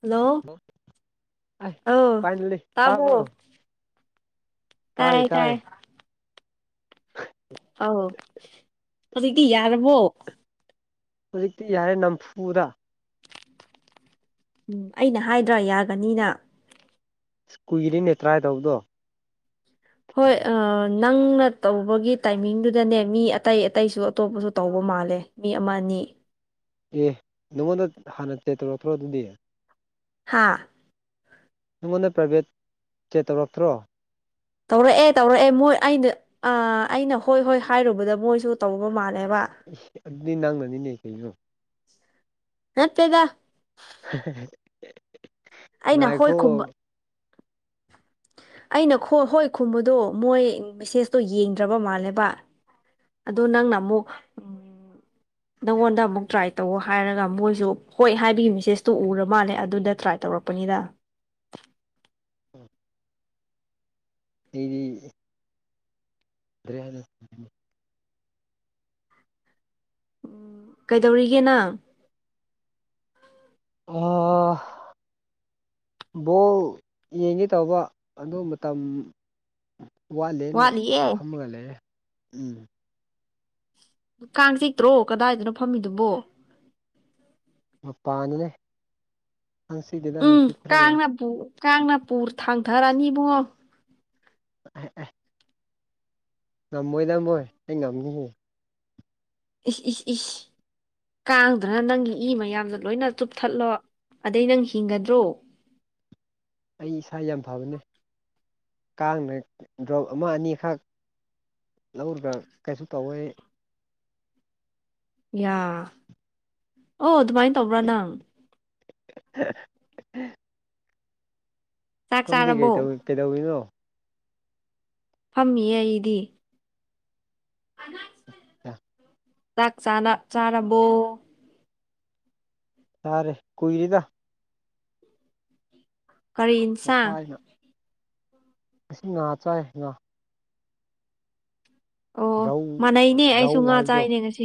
hello ꯑꯁ ꯑꯧ finally ꯇꯥꯕ꯭ꯔꯣ ꯇꯥꯏꯌꯦ ꯇꯥꯏ [unintelligible] ꯑꯥꯎ ꯍꯨꯖꯤꯛꯇꯤ ꯌꯥꯔꯕꯣ ꯍꯧꯖꯤꯛꯇꯤ ꯌꯥꯔꯦ ꯅꯝꯐꯨꯗ ꯎꯝ ꯑꯩꯅ ꯍꯥꯏꯗ꯭ꯔꯥ ꯌꯥꯒꯅꯤꯅ ꯑꯁ ꯀꯨꯏꯔꯦꯅꯦ ꯇ꯭ꯔꯥꯏ ꯇꯧꯕꯗꯣ ꯍꯣꯏ ꯑ ꯅꯪꯅ ꯇꯧꯕꯒꯤ ꯇꯥꯏꯃꯤꯡꯗꯨꯗꯅꯦ ꯃꯤ ꯑꯇꯩ ꯑꯇꯩꯁꯨ ꯑꯇꯣꯞꯄꯁꯨ ꯇꯧꯕ ꯃꯥꯜꯂꯦ ꯃꯤ ꯑꯃꯅꯤ ꯑꯦ ꯅꯉꯣꯟꯗ ꯍꯥꯟꯅ [unintelligible] ꯇꯧꯔꯛꯇ꯭ꯔꯣ ꯑꯗꯨꯗꯤ ꯍꯥꯥ ꯅꯉꯣꯟꯗ ꯄ꯭ꯔꯥꯏꯚꯦꯠ ꯆꯦꯠ ꯇꯧꯔꯛꯇ꯭ꯔꯣ ꯇꯧꯔꯛꯑꯦ ꯇꯧꯔꯛꯑꯦ ꯃꯣꯏ ꯑꯩꯅ ꯑ ꯑꯩꯅ ꯍꯣꯏ ꯍꯣꯏ ꯍꯥꯏꯔꯨꯕꯗ ꯃꯣꯏꯁꯨ ꯇꯧꯕ ꯃꯥꯜꯂꯦꯕ ꯏꯁ ꯑꯗꯨꯗꯤ ꯅꯪꯅꯅꯤꯅꯦ ꯀꯩꯅꯣ ꯅꯠꯇꯦꯗ [unintelligible] ꯑꯩꯅ ꯍꯣꯏ ꯉꯥꯏꯈꯣ ꯈꯨꯝꯕ ꯑꯩꯅ ꯈꯣꯏ ꯍꯣꯏ ꯈꯨꯝꯕꯗꯣ ꯃꯣꯏ ꯃꯦꯁꯦꯁꯇꯣ ꯌꯦꯡꯗ꯭ꯔꯕ ꯃꯥꯜꯂꯦꯕ ꯑꯗꯨ ꯅꯪꯅ ꯑꯃꯨꯛ ꯎꯝ [inaudible] ꯅꯪꯉꯣꯟꯗ ꯑꯃꯨꯛ ꯇ꯭ꯔꯥꯏ ꯇꯧ ꯍꯥꯏꯔꯒ ꯃꯣꯏꯁꯨ ꯍꯣꯏ ꯍꯥꯏꯕꯒꯤ ꯃꯦꯁꯦꯁꯇꯨ ꯎꯔ ꯃꯥꯜꯂꯦ ꯑꯗꯨꯗ ꯇ꯭ꯔꯥꯏ ꯇꯧꯔꯛꯄ [inaudible] ꯑꯥ ꯃꯤꯗꯤ ꯀꯔꯤ ꯍꯥꯏꯅꯣ ꯀꯩꯗꯧꯔꯤꯒꯦ ꯅꯪ ꯑꯣ ꯕꯣꯜ ꯌꯦꯡꯒꯦ ꯇꯧꯕ ꯑꯗꯨ ꯃꯇꯝ ꯋꯥꯠꯂꯦꯅ ꯋꯥꯠꯂꯤꯌꯦ ꯐꯝꯃꯒ ꯂꯩꯌꯦ ꯎꯝ ꯀꯥꯡ ꯆꯤꯛꯇ꯭ꯔꯣ ꯀꯗꯥꯏꯗꯅꯣ ꯐꯝꯃꯤꯗꯨꯕꯣ ꯃꯄꯥꯟꯗꯅꯦ ꯀꯥꯡ ꯆꯤꯛꯇꯦꯗꯥ ꯅꯅꯨꯡꯁꯤꯠ ꯈꯔ ꯂꯥꯛꯑꯦ ꯀꯥꯡꯅꯄꯨꯔ ꯊꯥꯡꯊꯔꯅꯤ ꯏꯕꯨꯉꯣ ꯑꯥꯏ ꯑꯥꯏ ꯉꯝꯃꯣꯏ ꯉꯝꯃꯣꯏ ꯑꯩ ꯉꯝꯅꯤꯍꯦ ꯏꯁ ꯏ ꯁ ꯏꯁ ꯀꯥꯡꯗꯨꯅ ꯅꯪꯒꯤ ꯏ ꯃꯌꯥꯝꯗꯣ ꯂꯣꯏꯅ ꯇꯨꯞꯊꯠꯂꯣ ꯑꯗꯩ ꯅꯪ ꯍꯤꯡꯒꯗ꯭ꯔꯣ ꯑꯩ ꯏꯁꯥ ꯌꯥꯝ ꯐꯕꯅꯦ ꯀꯥꯡꯅ ꯗ꯭ꯔꯣꯞ ꯑꯃ ꯑꯅꯤꯈꯛ ꯂꯧꯔꯒ ꯀꯩꯁꯨ ꯇꯧꯔꯣꯏ ꯌꯥ ꯑꯣ ꯑꯗꯨꯃꯥꯏꯅ ꯇꯧꯕ꯭ꯔꯥ ꯅꯪ [inaudible] ꯆꯥꯛ ꯁꯣꯝꯗꯤ ꯀꯩ ꯆꯥꯔꯕꯣ ꯇꯧ ꯀꯩꯗꯧꯔꯤꯅꯣ ꯐꯝꯃꯤꯌꯦ ꯑꯩꯗꯤ [unintelligible] ꯑ ꯆꯥꯛ ꯆꯥꯅ ꯆꯥꯔꯕꯣ ꯆꯥꯔꯦ ꯀꯨꯏꯔꯦꯗ ꯀꯔꯤ ꯏꯟꯁꯥꯡ ꯉꯥꯁꯤ ꯉꯥ ꯆꯏꯌꯦ ꯉꯥ ꯑꯣ ꯔꯧ ꯃꯥꯟꯅꯩꯅꯦ ꯑꯩꯁꯨ ꯔꯧ ꯉꯥ ꯍꯥꯏꯕꯗꯣ ꯆꯥꯏꯅꯦ ꯉꯁꯤ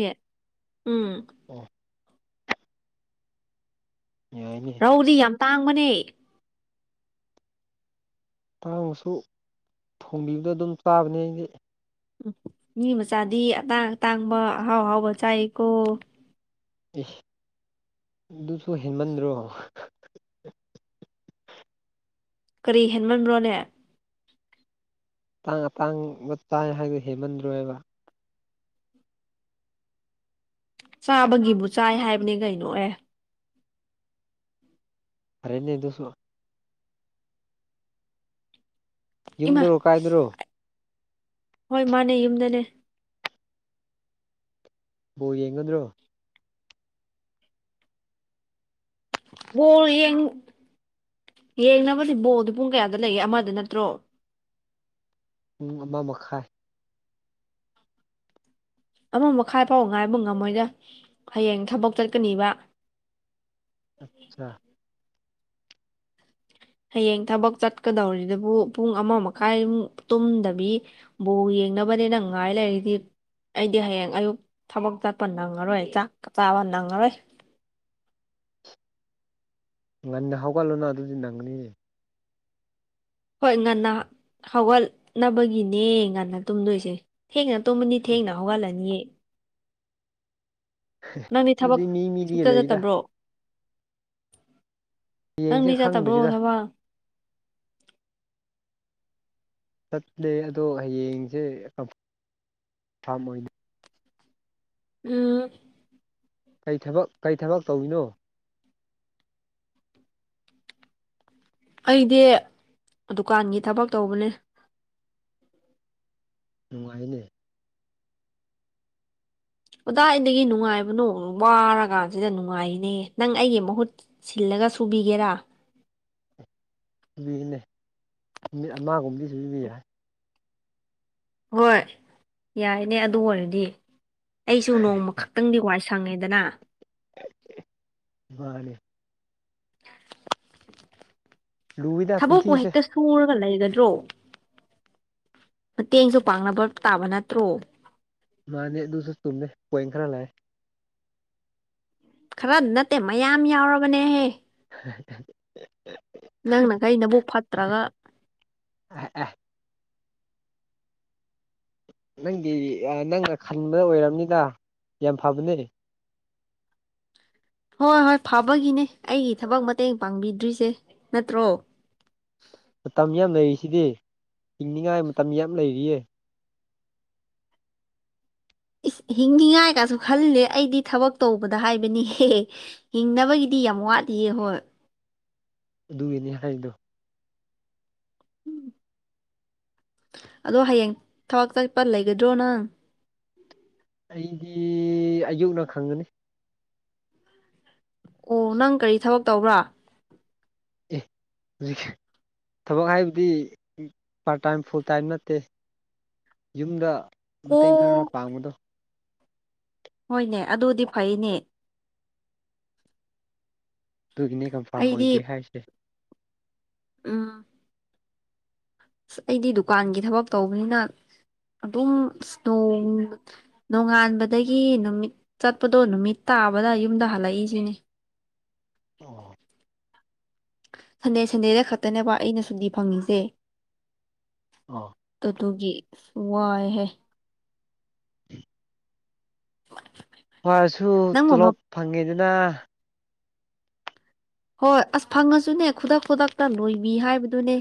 ꯎꯝ ꯑꯣ ꯌꯥꯏꯅꯦ ꯑꯗꯨꯗꯤ ꯌꯥꯝ ꯇꯥꯡꯕꯅꯦ ꯇꯥꯡꯉꯁꯨ ꯊꯣꯡꯕꯤꯕꯗ ꯑꯗꯨꯝ ꯆꯥꯕꯅꯦ ꯑꯩꯗꯤ ꯎꯝ ꯃꯤ ꯃꯆꯥꯗꯤ ꯑꯇꯥꯡ ꯑꯇꯥꯡꯕ ꯑꯍꯥꯎ ꯑꯍꯥꯎꯕ ꯆꯥꯏꯀꯣ ꯏꯁ ꯑꯗꯨꯁꯨ ꯍꯦꯟꯃꯟꯗ꯭ꯔꯣ ꯀꯔꯤ ꯍꯦꯟꯃꯟꯕ꯭ꯔꯣꯅꯦ [unintelligible] ꯆꯥꯕꯒꯤꯕꯨ ꯆꯥꯏ ꯍꯥꯏꯕꯅꯦ ꯀꯩꯅꯣ ꯑꯦ ꯐꯔꯦꯅꯦ ꯑꯗꯨꯁꯨ ꯏꯃꯥ ꯌꯨꯝꯗꯔꯣ ꯀꯥꯏꯗꯔꯣ ꯍꯣꯏ ꯃꯥꯅꯦ ꯌꯨꯝꯗꯅꯦ ꯕꯣꯜ ꯌꯦꯡꯒꯗ꯭ꯔꯣ ꯕꯣꯜ ꯌꯦꯡ ꯌꯦꯡꯅꯕꯗꯤ ꯕꯣꯜꯗꯤ ꯄꯨꯡ ꯀꯌꯥꯗ ꯂꯩꯒꯦ ꯑꯃꯗ ꯅꯠꯇ꯭ꯔꯣ ꯄꯨꯡ ꯑꯃ ꯃꯈꯥꯏ ꯑꯃ ꯃꯈꯥꯏꯐꯥꯎ ꯉꯥꯏꯕ ꯉꯝꯃꯣꯏꯗ ꯍꯌꯦꯡ ꯊꯕꯛ ꯆꯠꯀꯅꯤꯕ ꯑꯆꯥ ꯍꯌꯦꯡ ꯊꯕꯛ ꯆꯠꯀꯗꯧꯔꯤꯗꯨꯕꯨ ꯄꯨꯡ ꯑꯃ ꯃꯈꯥꯏꯃꯨꯛ ꯇꯨꯝꯗꯕꯤ ꯕꯣꯜ ꯌꯦꯡꯅꯕꯅꯤꯅ ꯉꯥꯏ ꯂꯩꯔꯗꯤ ꯑꯩꯗꯤ ꯍꯌꯦꯡ ꯑꯌꯨꯛ ꯊꯕꯛ ꯆꯠꯄ ꯅꯪꯉꯔꯣꯏ ꯆꯥꯛ ꯆꯥꯕ ꯅꯪꯉꯔꯣꯏ ꯉꯟꯅ ꯍꯧꯒꯠꯂꯣꯅ ꯑꯗꯨꯗꯤ ꯅꯪꯒꯅꯤ ꯍꯣꯏ ꯉꯟꯅ ꯍꯧꯒꯠꯅꯕꯒꯤꯅꯦ ꯉꯟꯅ ꯇꯨꯝꯗꯣꯏꯁꯦ ꯊꯦꯡꯅ ꯇꯨꯝꯃꯅꯤ ꯑꯦ ꯊꯦꯡꯅ ꯍꯧꯒꯠꯂꯅꯤ ꯅꯪꯗꯤ ꯊꯕꯛ ꯑꯗꯨꯗꯤ ꯃꯤ ꯃꯤꯗ ꯁꯨꯛꯆꯠ ꯂꯩꯗ ꯆꯠꯇꯕ꯭ꯔꯣ ꯅꯪꯗꯤ ꯍꯌꯦꯡꯁꯦ ꯆꯠꯇꯕ꯭ꯔꯣ ꯈꯪꯗ꯭ꯔꯤꯗ ꯊꯕꯛ ꯆꯠꯂꯦ ꯑꯗꯣ ꯍꯌꯦꯡꯁꯦ ꯀꯝꯐꯥꯝ ꯎꯝ ꯀꯩ ꯊꯕꯛ ꯀꯩ ꯊꯕꯛ ꯇꯧꯔꯤꯅꯣ ꯑꯩꯗꯤ ꯗꯨꯀꯥꯟꯒꯤ ꯊꯕꯛ ꯇꯧꯕꯅꯦ ꯅꯨꯡꯉꯥꯢꯅꯦ ꯀꯗꯤꯢꯗꯒꯤ ꯅꯨꯡꯉꯥꯏꯕꯅꯣ ꯋꯥꯔꯒꯥꯟꯁꯤꯗ ꯅꯨꯡꯉꯥꯏꯅꯦ ꯅꯪ ꯑꯩꯒꯤ ꯃꯍꯨꯠ ꯁꯤꯜꯂꯒ ꯁꯨꯕꯤꯒꯦꯔꯥ ꯁꯨꯕꯤꯒꯦꯅꯦ ꯅꯨꯃꯤꯠ ꯑꯃꯒꯨꯝꯕꯗꯤ ꯁꯨꯕꯤ ꯌꯥꯏ ꯍꯣꯏ ꯌꯥꯏꯅꯦ ꯑꯗꯨ ꯑꯣꯏꯔꯗꯤ ꯑꯩꯁꯨ ꯅꯣꯡꯃ ꯈꯛ ꯈꯤꯇꯪꯗꯤ ꯋꯥꯏ ꯁꯪꯉꯦꯗꯅ ꯑ [unintelligible] ꯃꯥꯅꯤ [inaudible] ꯂꯨꯏꯗ ꯊꯕꯛꯄꯨ ꯄꯨꯟꯁꯤꯁꯦ ꯍꯦꯛꯇ ꯁꯨꯔꯒ ꯂꯩꯒꯗ꯭ꯔꯣ ꯃꯇꯦꯡꯁꯨ ꯄꯥꯡꯅꯕ ꯇꯥꯕ ꯅꯠꯇ꯭ꯔꯣ ꯃꯥꯅꯦ ꯑꯗꯨꯁꯨ ꯆꯨꯝꯃꯦ ꯄꯣꯢꯟ ꯈꯔ ꯂꯨ ꯈꯔ ꯅꯠꯇꯦ ꯃꯌꯥꯝ ꯌꯥꯎꯔꯕꯅꯤꯍꯦ [unintelligible] ꯅꯪꯅꯒꯩ ꯅꯕꯨꯛ ꯐꯠꯇ꯭ꯔꯒ ꯑꯍꯦ ꯑꯦ ꯅꯪꯒꯤ ꯑꯥ ꯅꯪꯅ ꯈꯟꯕꯗꯨ ꯑꯣꯏꯔꯝꯅꯤꯗ ꯌꯥꯝ ꯐꯕꯅꯦ ꯍꯣꯏ ꯍꯣꯏ ꯐꯕꯒꯤꯅꯦ ꯑꯩꯒꯤ ꯊꯕꯛ ꯃꯇꯦꯡ ꯄꯥꯡꯕꯤꯗ꯭ꯔꯤꯁꯦ ꯅꯠꯇ꯭ꯔꯣ ꯃꯇꯝ ꯌꯥꯝ ꯂꯩꯔꯤꯁꯤꯗꯤ ꯍꯤꯡꯅꯤꯉꯥꯏ ꯃꯇꯝ ꯌꯥꯝ ꯂꯩꯔꯤꯌꯦ ꯏꯁ ꯍꯤꯡꯅꯤꯉꯥꯏ ꯀꯥꯢꯁꯨ ꯈꯜꯂꯦ ꯑꯩꯗꯤ ꯊꯕꯛ ꯇꯧꯕꯗ ꯍꯥꯏꯕꯅꯤꯍꯦ ꯍꯤꯡꯅꯕꯒꯤꯗꯤ ꯌꯥꯝ ꯋꯥꯠꯂꯤꯌꯦ ꯍꯣꯏ ꯑꯗꯨꯒꯤꯅꯤ ꯍꯥꯏꯗꯨ ꯎꯝ ꯑꯗꯣ ꯍꯌꯦꯡ ꯊꯕꯛ ꯆꯠꯄ ꯂꯩꯒꯗ꯭ꯔꯣ ꯅꯪ ꯑꯩꯗꯤ ꯑꯌꯨꯛꯅ ꯈꯪꯒꯅꯤ ꯑꯣ ꯅꯪ ꯀꯔꯤ ꯊꯕꯛ ꯇꯧꯕ꯭ꯔꯥ ꯑꯦ ꯍꯧꯖꯤꯛꯁꯦ ꯊꯕꯛ ꯍꯥꯏꯕꯗꯤ ꯄꯥꯔꯠ ꯇꯥꯏꯝ ꯐꯨꯜ ꯇꯥꯏꯝ ꯅꯠꯇꯦ ꯌꯨꯝꯗ ꯃꯇꯦꯡ ꯑꯣ ꯈꯔ ꯈꯔ ꯄꯥꯡꯕꯗꯣ ꯍꯣꯏꯅꯦ ꯑꯗꯨꯗꯤ ꯐꯩꯅꯦ ꯑꯗꯨꯒꯤꯅꯦ ꯀꯟꯐꯥꯔꯝ ꯑꯩꯗꯤ ꯑꯣꯏꯗꯦ ꯍꯥꯏꯁꯦ ꯎꯝ ꯑꯁ ꯑꯩꯗꯤ ꯗꯨꯀꯥꯟꯒꯤ ꯊꯕꯛ ꯇꯧꯕꯅꯤꯅ ꯑꯗꯨꯝ ꯑꯁ ꯅꯣꯡ ꯅꯣꯡꯉꯥꯟꯕꯗꯒꯤ ꯅꯨꯃꯤꯠ ꯆꯠꯄꯗꯣ ꯅꯨꯃꯤꯠ ꯇꯥꯕꯗ ꯌꯨꯝꯗ ꯍꯜꯂꯛꯏꯁꯤꯅꯦ ꯑꯣ ꯁꯟꯗꯦ ꯁꯟꯗꯦꯗ ꯈꯛꯇꯅꯦꯕ ꯑꯩꯅ ꯁꯨꯗꯤ ꯐꯪꯉꯤꯁꯦ ꯑꯣ ꯑꯗꯨꯗꯨꯒꯤ ꯋꯥꯏꯍꯦ [inaudible] ꯋꯥꯔꯁꯨ ꯅꯪ ꯃꯃꯥ ꯇꯣꯂꯣꯞ ꯐꯪꯉꯤꯗꯅ ꯍꯣꯏ ꯑꯁ ꯐꯪꯉꯁꯨꯅꯦ ꯈꯨꯗꯛ ꯈꯨꯗꯛꯇ ꯂꯣꯏꯕꯤ ꯍꯥꯏꯕꯗꯨꯅꯦ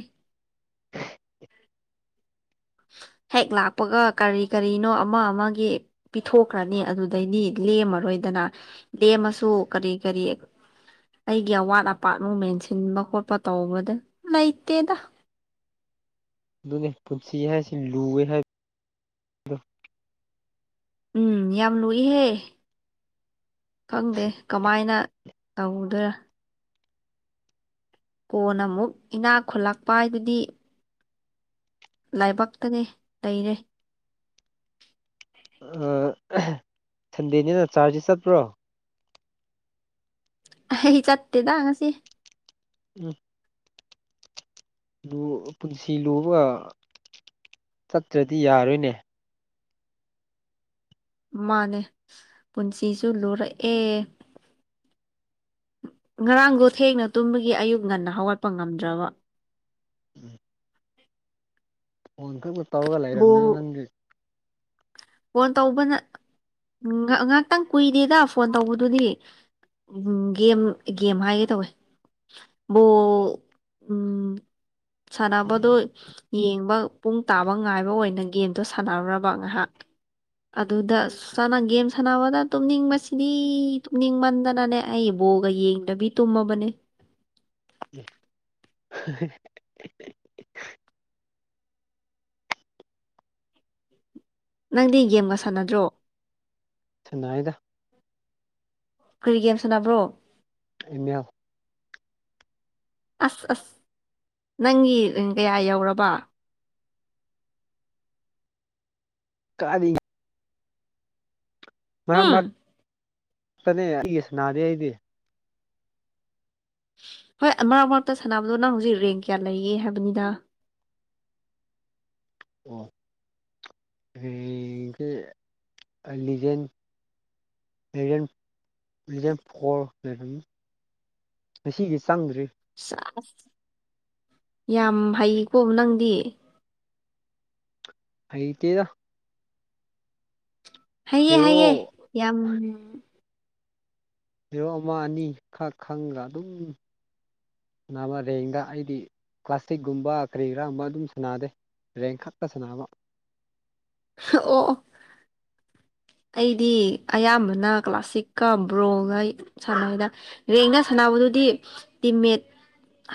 ꯍꯦꯛ ꯂꯥꯛꯄꯒ ꯀꯔꯤ ꯀꯔꯤꯅꯣ ꯑꯃ ꯑꯃꯒꯤ ꯄꯤꯊꯣꯛꯈ꯭ꯔꯅꯤ ꯑꯗꯨꯗꯩꯗꯤ ꯂꯦꯝꯃꯔꯣꯏꯗꯅ ꯂꯦꯝꯃꯁꯨ ꯀꯔꯤ ꯀꯔꯤ ꯑꯩꯒꯤ ꯑꯋꯥꯠ ꯑꯄꯥꯠ ꯑꯃꯨꯛ ꯃꯦꯟꯁꯤꯟꯕ ꯈꯣꯠꯄ ꯇꯧꯕꯗ ꯂꯩꯇꯦꯗ ꯑꯗꯨꯅꯦ ꯄꯨꯟꯁꯤ ꯍꯥꯏꯁꯤ ꯂꯨꯋꯦ ꯍꯥꯏ ꯎꯝ ꯌꯥꯝ ꯂꯨꯏꯍꯦ ꯈꯪꯗꯦ ꯀꯃꯥꯏꯅ ꯇꯧꯗꯣꯏꯔ ꯀꯣꯟꯅ ꯑꯃꯨꯛ ꯏꯅꯥꯛ ꯈꯨꯜꯂꯛꯄ ꯍꯥꯏꯗꯨꯗꯤ ꯂꯥꯏꯕꯛꯇꯅꯦ ꯂꯩꯔꯦ ꯑ ꯁꯟꯗꯦꯅꯤꯅ ꯆꯥꯔꯖꯗꯤ ꯆꯠꯄ꯭ꯔꯣ ꯑꯩ ꯆꯠꯇꯦꯗ ꯉꯁꯤ ꯎꯝ ꯂꯨ ꯄꯨꯟꯁꯤ ꯂꯨꯕ ꯆꯠꯇ꯭ꯔꯗꯤ ꯌꯥꯔꯣꯏꯅꯦ ꯃꯥꯅꯦ ꯄꯨꯟꯁꯤꯁꯨ ꯂꯨꯔꯛꯑꯦ ꯉꯔꯥꯡꯗꯣ ꯊꯦꯡꯅ ꯇꯨꯝꯕꯒꯤ ꯑꯌꯨꯛ ꯉꯟꯅ ꯍꯧꯒꯠꯄ ꯉꯝꯗ꯭ꯔꯕ ꯎꯝ ꯐꯣꯟ ꯈꯛꯇ ꯇꯧꯔꯒ ꯕꯣꯜ ꯂꯩꯔꯃꯤꯅ ꯅꯪꯒꯤ ꯐꯣꯟ ꯇꯧꯕꯅ ꯉ ꯉꯥꯛꯇꯪ ꯀꯨꯏꯗꯦꯗ ꯐꯣꯟ ꯇꯧꯕꯗꯨꯗꯤ ꯎꯝ ꯒꯦꯝ ꯒꯦꯝ ꯍꯥꯏꯒꯦ ꯇꯧꯋꯦ ꯕꯣꯜ ꯎꯝ ꯁꯟꯅꯕꯗꯣ ꯌꯦꯡꯕ ꯄꯨꯡ ꯇꯥꯕ ꯉꯥꯏꯕ ꯑꯣꯏꯅ ꯒꯦꯝꯗꯣ ꯁꯥꯟꯅꯔꯨꯔꯕ ꯉꯥꯍꯥꯛ ꯑꯗꯨꯗ ꯁꯥꯟꯅ ꯒꯦꯝ ꯁꯥꯟꯅꯕꯗ ꯇꯨꯝꯅꯤꯡꯕꯁꯤꯗꯤ ꯇꯨꯝꯅꯤꯡꯃꯟꯗꯅꯅꯦ ꯑꯩ ꯕꯣꯜꯒ ꯌꯦꯡꯗꯕꯤ ꯇꯨꯝꯃꯕꯅꯦ [inaudible] ꯅꯪꯗꯤ ꯒꯦꯝꯒ ꯁꯥꯟꯅꯗ꯭ꯔꯣ ꯁꯥꯅꯥꯏꯗ ꯀꯔꯤ ꯒꯦꯝ ꯁꯥꯅꯕ꯭ꯔꯣ ꯑꯦꯝ ꯃꯦꯜ ꯑꯁ ꯑꯁ ꯅꯪꯒꯤ ꯔꯦꯡ ꯀꯌꯥ ꯌꯧꯔꯕ ꯀꯥꯔꯤ ꯃꯔꯛ ꯎꯝ ꯃꯔꯛ ꯇꯥꯅꯦ ꯑꯩꯗꯤ ꯁꯟꯅꯗꯦ ꯑꯩꯗꯤ ꯍꯣꯏ ꯃꯔꯛ ꯃꯔꯛꯇ ꯁꯥꯟꯅꯕꯗꯣ ꯅꯪ ꯍꯧꯖꯤꯛ ꯔꯦꯡ ꯀꯌꯥ ꯂꯩꯌꯦ ꯍꯥꯏꯕꯅꯤꯗ ꯑꯣ ꯔꯦꯡꯁꯦ ꯑꯩ ꯂꯤꯖꯦꯟ ꯂꯤꯖꯦꯟ ꯂꯤꯖꯦꯟ ꯐꯣꯔ ꯂꯩꯔꯝꯅꯤ ꯉꯁꯤꯒꯤ ꯆꯪꯗ꯭ꯔꯤ ꯆꯁ ꯌꯥꯝ ꯍꯩꯀꯣ ꯅꯪꯗꯤ ꯍꯩꯇꯦꯗ ꯍꯩꯏ ꯍꯩꯏ ꯍꯦꯔꯣ ꯌꯥꯝꯅ ꯍꯦꯔꯣ ꯑꯃ ꯑꯅꯤ ꯈꯛ ꯈꯪꯂ ꯑꯗꯨꯝ ꯅꯥꯕ ꯔꯦꯡꯗ ꯑꯩꯗꯤ ꯀ꯭ꯂꯥꯁꯇꯤꯛꯒꯨꯝꯕ ꯀꯔꯤꯔ ꯑꯃꯗꯨꯝ ꯁꯥꯟꯅꯗꯦ ꯔꯦꯡ ꯈꯛꯇ ꯁꯥꯟꯅꯕ ꯑꯣ ꯑꯣ ꯑꯩꯗꯤ ꯑꯌꯥꯝꯕꯅ ꯀ꯭ꯂꯥꯁꯤꯛꯀ ꯕ꯭ꯔꯣꯒ ꯁꯥꯟꯅꯗꯦ ꯔꯦꯡꯒ ꯁꯥꯟꯅꯕꯗꯨꯗꯤ ꯇꯤꯝꯃꯦꯠ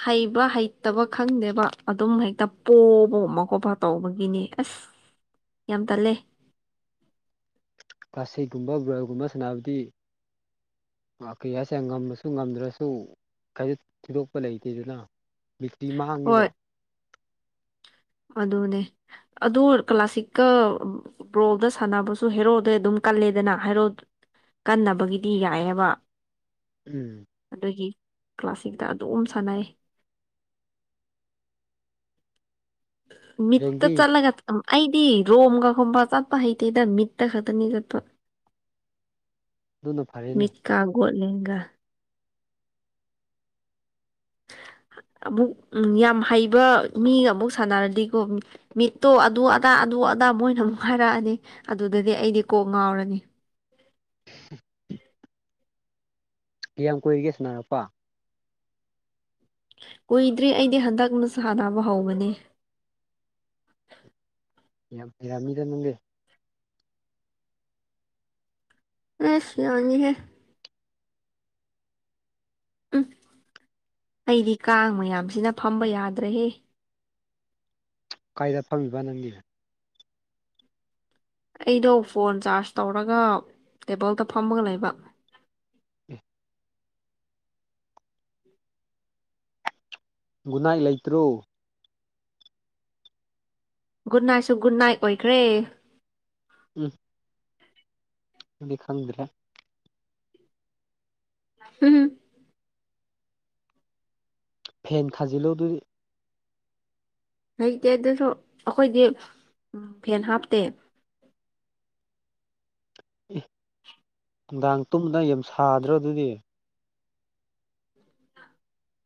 ꯍꯩꯕ ꯍꯩꯇꯕ ꯈꯪꯗꯦꯕ ꯑꯗꯨꯝ ꯍꯦꯛꯇ ꯄꯣꯕꯒꯨꯝꯕ ꯈꯣꯠꯄ ꯇꯧꯕꯒꯤꯅꯤ ꯑꯁ [inaudible] ꯌꯥꯝ ꯇꯜꯂꯦ ꯀꯥꯜꯁꯤꯛꯒꯨꯝꯕ ꯔꯣꯔꯦꯜꯒꯨꯝꯕ ꯁꯥꯟꯅꯕꯗꯤ ꯀꯩꯌꯥꯁ ꯉꯝꯃꯁꯨ ꯉꯝꯗ꯭ꯔꯁꯨ ꯀꯩꯁꯨ ꯊꯣꯏꯗꯣꯛꯄ ꯂꯩꯇꯦꯗꯅ ꯕꯤꯠꯇꯤ ꯃꯥꯡꯉꯦꯕ ꯍꯣꯏ ꯑꯗꯨꯅꯦ ꯑꯗꯨ ꯀ꯭ꯂꯥꯁꯤꯛꯀ ꯕꯣꯜꯗ ꯁꯥꯟꯅꯕꯁꯨ ꯍꯦꯔꯣꯗꯩ ꯑꯗꯨꯝ ꯀꯜꯂꯦꯗꯅ ꯍꯦꯔꯣ ꯀꯥꯟꯅꯕꯒꯤꯗꯤ ꯌꯥꯏꯌꯦꯕ ꯎꯝ ꯑꯗꯨꯒꯤ ꯀ꯭ꯂꯥꯁꯤꯛꯇ ꯑꯗꯨꯝ ꯁꯥꯟꯅꯩ ꯃꯤꯠꯇ ꯔꯦꯡꯗꯤ ꯆꯠꯂꯒ ꯎꯝ ꯑꯩꯗꯤ ꯔꯣꯝꯒ ꯒꯨꯝꯕ ꯆꯠꯄ ꯍꯩꯇꯦꯗ ꯃꯤꯠꯇ ꯈꯛꯇꯅꯤ ꯆꯠꯄ ꯑꯗꯨꯅ ꯐꯔꯦꯅꯦ ꯀꯥꯒꯣꯠꯂꯦꯒ ꯑꯃꯨꯛ ꯎꯝ ꯌꯥꯝ ꯍꯩꯕ ꯃꯤ ꯑꯃꯨꯛ ꯁꯥꯟꯅꯔꯗꯤꯀꯣ ꯃꯤꯠꯇꯣ ꯑꯗꯨ ꯑꯗꯥ ꯑꯗꯨ ꯑꯗꯥ ꯃꯣꯏꯅ ꯑꯃꯨꯛ ꯍꯥꯏꯔꯛꯑꯅꯤ ꯑꯗꯨꯗꯗꯤ ꯑꯩꯗꯤ ꯀꯣꯛ ꯉꯥꯎꯔꯅꯤ [unintelligible] ꯀꯌꯥꯝ ꯀꯨꯏꯔꯒꯦ ꯁꯥꯟꯅꯔꯛꯄ ꯀꯨꯏꯗ꯭ꯔꯤ ꯑꯩꯗꯤ ꯍꯟꯗꯛꯅ ꯁꯥꯟꯅꯕ ꯍꯧꯕꯅꯦ ꯌꯥꯝ ꯍꯩꯔꯝꯅꯤꯗ ꯑꯗꯨꯗꯤ ꯑꯩꯁ ꯌꯥꯅꯤ ꯍꯦ ꯎꯝ ꯑꯩꯗꯤ ꯀꯥꯡ ꯃꯌꯥꯝꯁꯤꯅ ꯐꯝꯕ ꯌꯥꯗ꯭ꯔꯦꯍꯦ ꯀꯥꯏꯗ ꯐꯝꯃꯤꯕ ꯅꯪꯗꯤ ꯑꯩꯗꯣ ꯐꯣꯟ ꯆꯥꯔꯖ ꯇꯧꯔꯒ ꯇꯦꯕꯜꯗ ꯐꯝꯃꯒ ꯂꯩꯕ ꯒꯨꯠꯅꯥꯏ ꯂꯩꯇ꯭ꯔꯣ ꯒꯨꯠ ꯅꯥꯏꯠꯁꯨ ꯒꯨꯠ ꯅꯥꯏꯠ ꯑꯣꯏꯈ꯭ꯔꯦ ꯎꯝ ꯑꯗꯨꯗꯤ ꯈꯪꯗ꯭ꯔꯦ ꯍꯝ ꯐꯦꯟ ꯊꯥꯖꯤꯜꯂꯣ ꯑꯗꯨꯗꯤ ꯂꯩꯩꯇꯦ ꯑꯗꯨꯁꯨ ꯑꯈꯣꯏꯗꯤ ꯎꯝ ꯐꯦꯟ ꯍꯥꯞꯇꯦ ꯑꯦ ꯅꯨꯡꯗꯥꯡ ꯇꯨꯝꯗ ꯌꯥꯝ ꯁꯥꯗ꯭ꯔꯣ ꯑꯗꯨꯗꯤ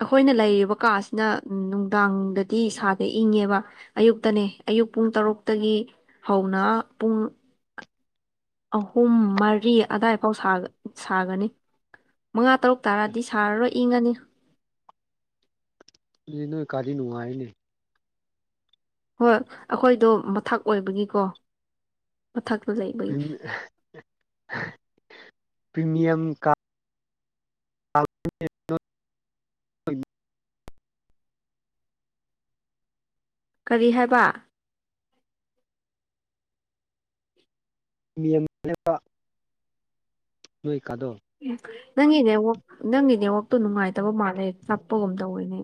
ꯑꯩꯈꯣꯏꯅ ꯂꯩꯔꯤꯕ ꯀꯥꯁꯤꯅ ꯎꯝ ꯅꯨꯡꯗꯥꯡꯗꯗꯤ ꯏꯁꯥꯗꯦ ꯏꯪꯉꯦꯕ ꯑꯌꯨꯛꯇꯅꯦ ꯑꯌꯨꯛ ꯄꯨꯡ ꯇꯔꯨꯛꯇꯒꯤ ꯍꯧꯅ ꯄꯨꯡ ꯑꯍꯨꯝ ꯃꯔꯤ ꯑꯗꯥꯏ ꯐꯥꯎ ꯁꯥꯒ ꯁꯥꯒꯅꯤ ꯃꯉꯥ ꯇꯔꯨꯛ ꯇꯥꯔꯗꯤ ꯁꯥꯔꯔꯣꯏ ꯏꯪꯉꯅꯤ ꯑꯗꯨꯗꯤ ꯅꯣꯏ ꯀꯥꯗꯤ ꯅꯨꯡꯉꯥꯏꯅꯦ ꯍꯣꯏ ꯑꯩꯈꯣꯏꯗꯣ ꯃꯊꯛ ꯑꯣꯏꯕꯒꯤꯀꯣ ꯃꯥꯊꯛꯇ ꯂꯩ ꯄꯔꯤꯃꯤꯌꯝ ꯀꯥ [inaudible] ꯀꯔꯤ ꯍꯥꯏꯕ ꯃꯤꯅꯦꯕ ꯅꯣꯏ ꯀꯥꯗꯣ ꯅꯪꯒꯤ ꯅꯦꯋꯥꯛ ꯅꯪꯒꯤ ꯅꯦꯋꯥꯛꯇꯣ ꯅꯨꯡꯉꯥꯏꯇꯕ ꯃꯥꯜꯂꯦ ꯆꯞꯄꯒꯨꯝ ꯇꯧꯋꯦꯅꯦ